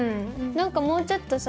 なんかもうちょっとさ